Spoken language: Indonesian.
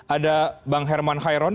ada bang herman khairon